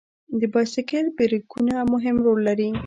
د بایسکل بریکونه مهم رول لري.